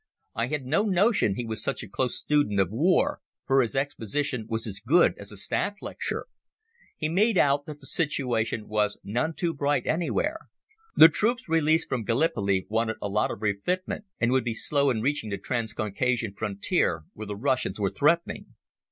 I had no notion he was such a close student of war, for his exposition was as good as a staff lecture. He made out that the situation was none too bright anywhere. The troops released from Gallipoli wanted a lot of refitment, and would be slow in reaching the Transcaucasian frontier, where the Russians were threatening.